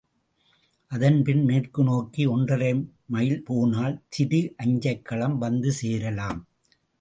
அதன் பின் மேற்கு நோக்கி ஒன்றரை மைல் போனால் திரு அஞ்சைக்களம் வந்து சேரலாம்.